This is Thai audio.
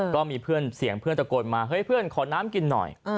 ก็มีเพื่อนเสียงเพื่อนตะโกนมาเฮ้ยเพื่อนขอน้ำกินหน่อย